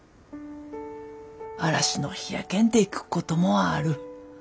嵐の日やけんでくっこともある。